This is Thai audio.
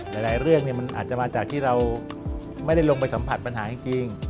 หลายเรื่องมันอาจจะมาจากที่เราไม่ได้ลงไปสัมผัสปัญหาจริง